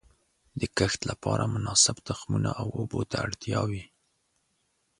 د کښت لپاره مناسب تخمونو او اوبو ته اړتیا وي.